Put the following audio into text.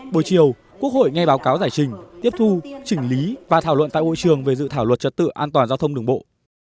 buổi chiều quốc hội nghe báo cáo giải trình tiếp thu chỉnh lý và thảo luận tại hội trường về dự thảo luật trật tự an toàn giao thông đường bộ